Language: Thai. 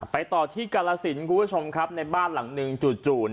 ไปต่อที่กรสินทร์คุณผู้ชมครับในบ้านหลังหนึ่งจูดจูด